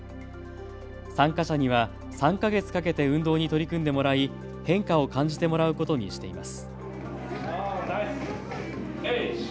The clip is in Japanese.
参加者には３か月かけて運動に取り組んでもらい変化を感じてもらうことにしています。